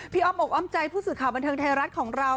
อ้อมอกอ้อมใจผู้สื่อข่าวบันเทิงไทยรัฐของเรา